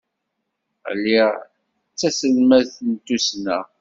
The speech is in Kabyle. Lliɣ d taselmadt n tussna.